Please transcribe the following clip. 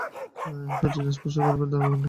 শশীর স্পর্শ করিবার অধিকার নাই!